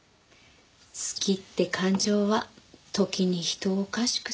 好きって感情は時に人をおかしくする。